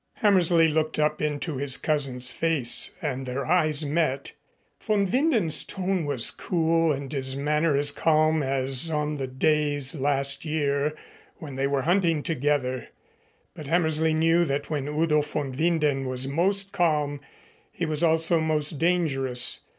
Hammersley looked up into his cousin's face and their eyes met. Von Winden's tone was cool and his manner as calm as on the days last year when they were hunting together, but Hammersley knew that when Udo von Winden was most calm he was also most dangerous.